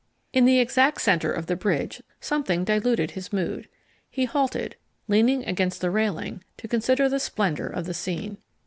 M. In the exact centre of the bridge something diluted his mood; he halted, leaning against the railing, to consider the splendour of the scene.